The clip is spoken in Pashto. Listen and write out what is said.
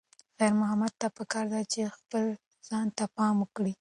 خیر محمد ته پکار ده چې خپل ځان ته پام وکړي.